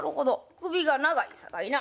首が長いさかいな。